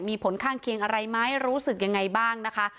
มีผลข้างเคียงอะไรไหมรู้สึกยังไงบ้างนะคะ